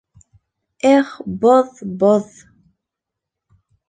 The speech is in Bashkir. — Эх, боҙ, боҙ!